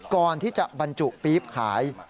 ก่อนที่จะบรรจุปี๊บขาย